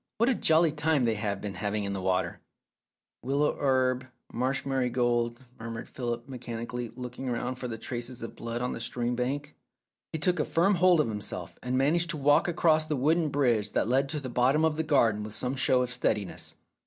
"What a jolly time they have been having in the water !"" Willow herb, marsh marigold," murmured Philip mechanically, looking round for the traces of blood on the stream bank. ... He took a firm hold of himself, and managed to walk across the wooden bridge that led to the bottom of the garden with some show of steadiness.